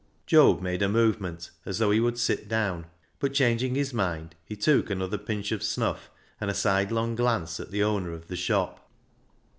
Job made a movement as though he would sit down ; but, changing his mind, he took another pinch of snuff and a sidelong glance at the owner of the shop.